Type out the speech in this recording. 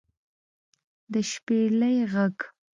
د شپېلۍ غږ